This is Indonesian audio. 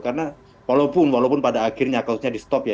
karena walaupun pada akhirnya kasusnya di stop ya